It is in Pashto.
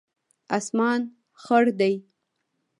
اسمان خړ دی